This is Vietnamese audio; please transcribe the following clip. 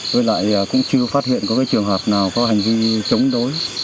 với lại cũng chưa phát hiện có cái trường hợp nào có hành vi chống đối